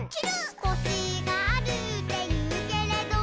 「コシがあるっていうけれど」